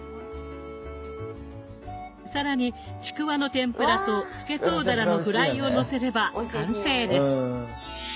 更にちくわの天ぷらとスケトウダラのフライをのせれば完成です。